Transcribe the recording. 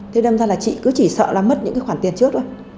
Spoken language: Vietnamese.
thế đâm ra là chị cứ chỉ sợ mất những khoản tiền trước thôi